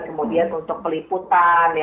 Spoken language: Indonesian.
kemudian untuk peliputan